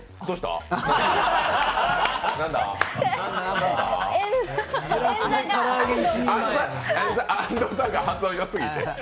どうした？